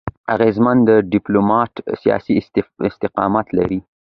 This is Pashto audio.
اغېزمن ډيپلوماټان سیاسي استقامت لري.